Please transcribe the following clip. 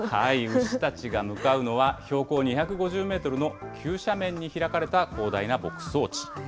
牛たちが向かうのは、標高２５０メートルの急斜面に開かれた広大な牧草地。